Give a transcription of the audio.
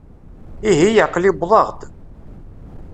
Ihi, aql-i wwḍeɣ-d.